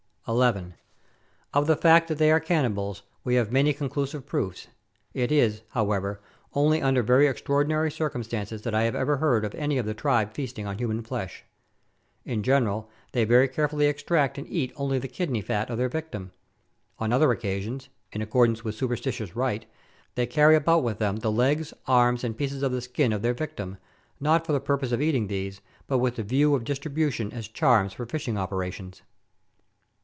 11. Of the fact that they are cannibals, we have many con clusive proofs ; it is, however, only under very extraordinary circumstances that I have ever heard of any of their tribe feasting on human flesh. In general, they very carefully extract and eat only the kidney fat of their victim. On some occasions, in accordance with superstitious rite, they carry about with them the legs, arms, and pieces of the skin of their victim, not for the purpose of eating these, but with the view of distribution as charms for fishing operations.